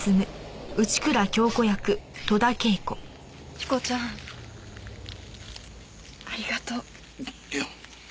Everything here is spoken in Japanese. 彦ちゃんありがとう。いや。